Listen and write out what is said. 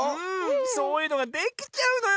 そういうのができちゃうのよ